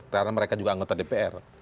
karena mereka juga anggota dpr